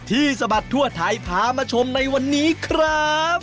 ที่สมัดทั่วไทยผ่ามาชมในวันนี้ครับ